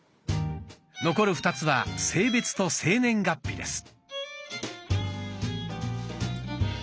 残る２つは性別と生年月日です。